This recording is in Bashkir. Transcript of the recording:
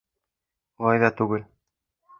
— Улай ҙа түгел.